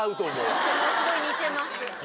ものすごい似てます。